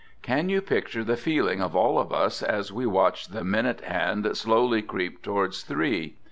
... Can you picture the feeling of all of us as we watch the minute hand slowly creep towards three?